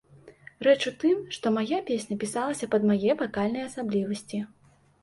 Рэч у тым, што мая песня пісалася пад мае вакальныя асаблівасці.